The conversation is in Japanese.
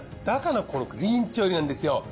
だからこのクリーン調理なんですよ。